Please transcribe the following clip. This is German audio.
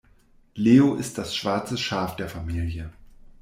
Leo ist das schwarze Schaf der Familie.